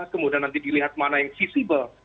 kemudian nanti dilihat mana yang visible